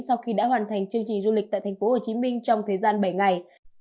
sau khi đã hoàn thành chương trình du lịch tại tp hcm trong thời gian bảy ngày